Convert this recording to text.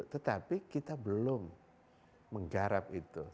tetapi kita belum menggarap itu